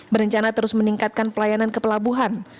berencana terus meningkatkan pelayanan ke pelabuhan